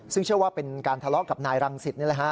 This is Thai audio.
ซึ่งเชื่อว่าเป็นการทะเลาะกับนายรังสิต